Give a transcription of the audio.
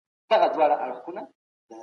زه له خپل ملګري سره مرسته کوم.